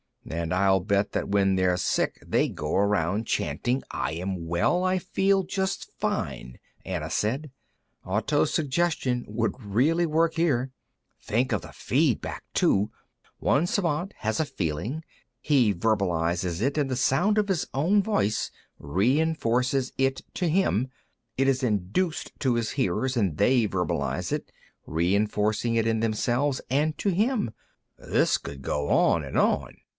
"And I'll bet that when they're sick, they go around chanting, 'I am well; I feel just fine!'" Anna said. "Autosuggestion would really work, here. Think of the feedback, too. One Svant has a feeling. He verbalizes it, and the sound of his own voice re enforces it in him. It is induced in his hearers, and they verbalize it, re enforcing it in themselves and in him. This could go on and on."